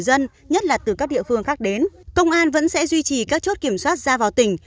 dân nhất là từ các địa phương khác đến công an vẫn sẽ duy trì các chốt kiểm soát ra vào tỉnh